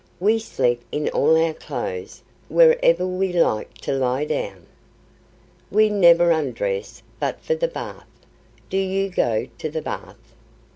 We sleep in all our clothes wherever we like to lie down. We never undress but for the bath. Do you go to the bath?"